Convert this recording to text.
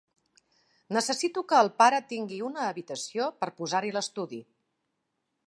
Necessito que el pare tingui una habitació per posar-hi l'estudi.